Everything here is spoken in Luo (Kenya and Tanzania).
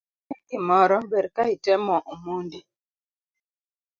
Mondo inge gimoro ber ka itemo omondi